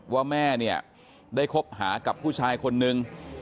ว่าแม่เนี่ยได้คบหากับผู้ชายคนนึง